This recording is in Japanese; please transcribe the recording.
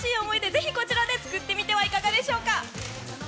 ぜひこちらで作ってみてはいかがでしょうか。